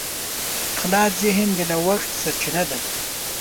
خلاص ذهن د نوښت سرچینه ده.